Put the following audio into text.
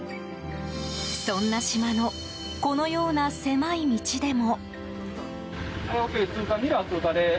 そんな島のこのような狭い道でも。